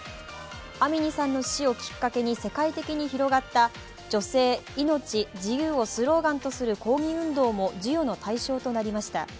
アミニさんの死をきっかけに世界的に広がった「女性、命、自由」をスローガンとする抗議運動も授与の対象となりました。